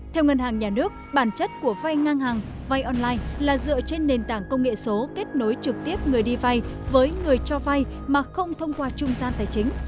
theo ngân hàng nhà nước bản chất của vay ngang hàng vay online là dựa trên nền tảng công nghệ số kết nối trực tiếp người đi vay với người cho vay mà không thông qua trung gian tài chính